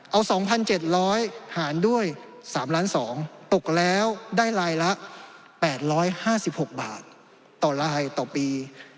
เอา๒๗๐๐หารด้วย๓๒๐๐ตกแล้วได้ลายละ๘๕๖บาทต่อลายต่อปี